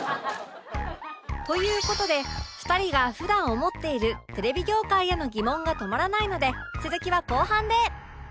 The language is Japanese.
という事で２人が普段思っているテレビ業界への疑問が止まらないので続きは後半で！